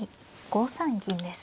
５三銀です。